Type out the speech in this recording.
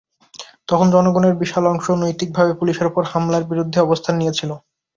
তখন জনগণের বিশাল অংশ নৈতিকভাবে পুলিশের ওপর হামলার বিরুদ্ধে অবস্থান নিয়েছিল।